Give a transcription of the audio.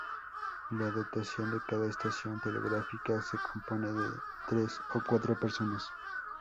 La dotación de cada estación telegráfica se componía de tres o cuatro personas.